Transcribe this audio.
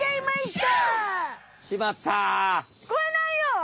きこえないよ！